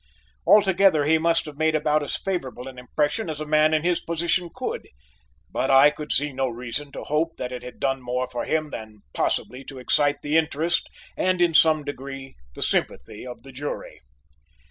Altogether, he must have made about as favorable an impression as a man in his position could, but I could see no reason to hope that it had done more for him than possibly to excite the interest and in some degree the sympathy of the jury.